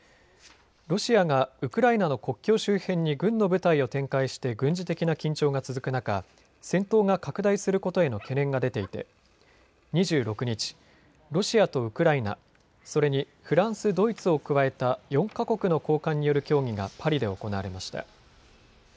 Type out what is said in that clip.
ロシアがウクライナの国境周辺に軍の部隊を展開して軍事的な緊張が続く中、戦闘が拡大することへの懸念が出ていて２６日、ロシアとウクライナ、それにフランス、ドイツを加えた４か国の高官による協議がパリで行われました。